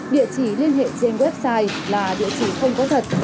địa chỉ liên hệ trên website là địa chỉ không có thật